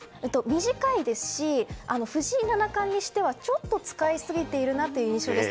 短いですし、藤井七冠にしてはちょっと使いすぎているなという印象です。